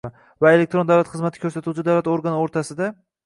va elektron davlat xizmati ko‘rsatuvchi davlat organi o‘rtasida